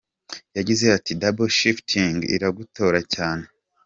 Yagize ati “Double shifting iratugora cyane.